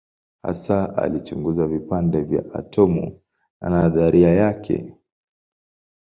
Hasa alichunguza vipande vya atomu na nadharia yake.